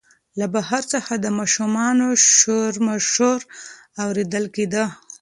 له بهر څخه د ماشومانو شورماشور اورېدل کېده.